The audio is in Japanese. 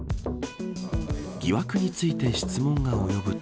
疑惑について質問が及ぶと。